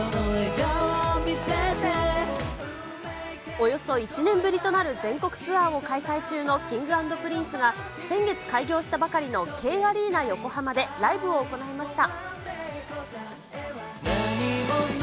およそ１年ぶりとなる全国ツアーを開催中のＫｉｎｇ＆Ｐｒｉｎｃｅが、先月開業したばかりのＫアリーナ横浜でライブを行いました。